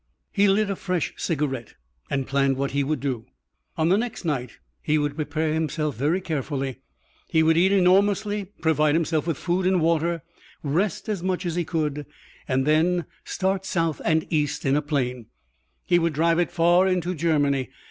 He lit a fresh cigarette and planned what he would do. On the next night he would prepare himself very carefully. He would eat enormously, provide himself with food and water, rest as much as he could, and then start south and east in a plane. He would drive it far into Germany.